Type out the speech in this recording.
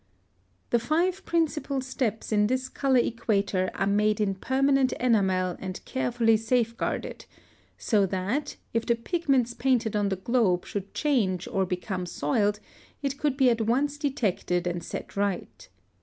+ (117) The five principal steps in this color equator are made in permanent enamel and carefully safeguarded, so that, if the pigments painted on the globe should change or become soiled, it could be at once detected and set right.